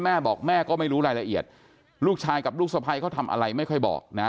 แม่บอกแม่ก็ไม่รู้รายละเอียดลูกชายกับลูกสะพ้ายเขาทำอะไรไม่ค่อยบอกนะ